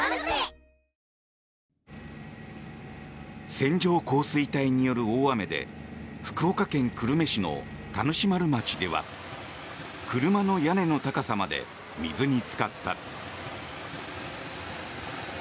線状降水帯による大雨で福岡県久留米市の田主丸町では車の屋根の高さまで水につかった。